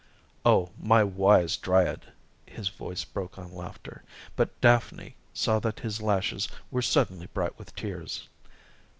"Oh, my wise Dryad!" His voice broke on laughter, but Daphne saw that his lashes were suddenly bright with tears.